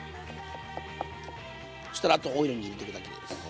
そしたらあとオイルに入れてくだけです。